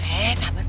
eh sabar pak reto